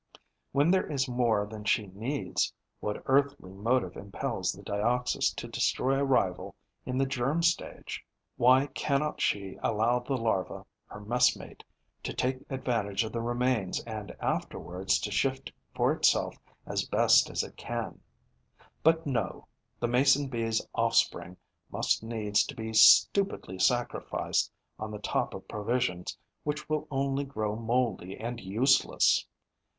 When there is more than she needs, what earthly motive impels the Dioxys to destroy a rival in the germ stage? Why cannot she allow the larva, her mess mate, to take advantage of the remains and afterwards to shift for itself as best it can? But no: the Mason bee's offspring must needs be stupidly sacrificed on the top of provisions which will only grow mouldy and useless!